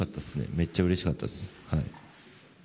めっちゃうれしかったです。